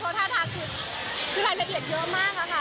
เพราะท่าทางคือคือรายละเอียดเยอะมากค่ะค่ะ